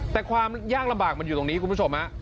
แต่ความยากลำบากมันอยู่ตรงนี้คุณผู้ชมฮะ